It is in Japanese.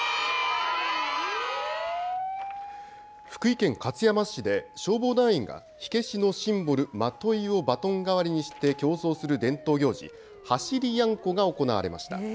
福井県勝山市で、消防団員が火消しのシンボル、まといをバトン代わりにして競争する伝統行事、走りやんこが行われました。